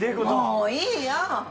もういいよ。